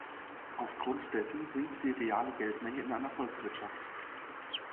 Aufgrund dessen sinkt die reale Geldmenge in einer Volkswirtschaft.